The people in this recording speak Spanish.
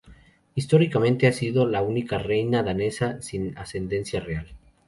Históricamente, ha sido la única reina danesa sin ascendencia real.